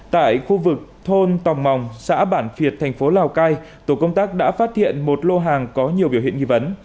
tại khu vực thôn tòng mòng xã bản việt thành phố lào cai tổ công tác đã phát hiện một lô hàng có nhiều biểu hiện nghi vấn